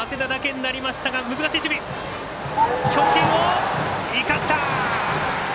強肩を生かした！